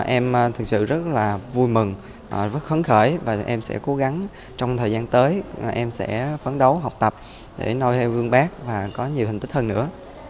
em thật sự rất vui mừng rất khấn khởi và em sẽ cố gắng trong thời gian tới em sẽ phấn đấu học tập để nôi theo vương bác và có nhiều thành tích hơn nữa